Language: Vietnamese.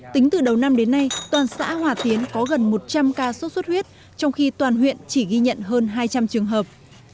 tính từ đầu năm đến nay toàn xã hòa tiến có gần một trăm linh ca sốt xuất huyết trong khi toàn huyện chỉ ghi nhận hơn hai trăm linh trường hợp